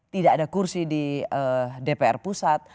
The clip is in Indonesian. tidak ada kursi di dpr pusat